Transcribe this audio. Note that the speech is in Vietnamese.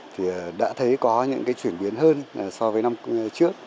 thì đã thấy có những cái chuyển biến hơn so với năm trước